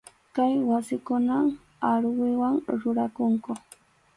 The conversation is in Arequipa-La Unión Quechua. Kay wasikunan aruwiwan rurakunku.